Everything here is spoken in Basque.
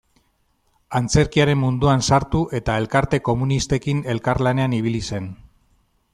Antzerkiaren munduan sartu, eta elkarte komunistekin elkarlanean ibili zen.